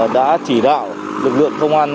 đã chỉ đạo lực lượng công an